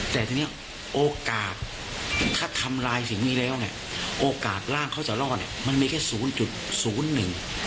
แต่ทีนี้โอกาสถ้าทำลายสิ่งนี้แล้วเนี่ยโอกาสร่างเขาจะรอเนี่ยมันมีแค่๐๐๑